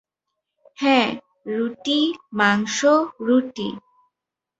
হ্যাঁ, রুটি, মাংস, রুটি।